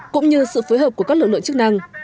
cũng như sự phối hợp của các lực lượng chức năng